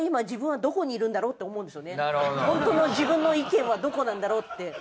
ホントの自分の意見はどこなんだろうって。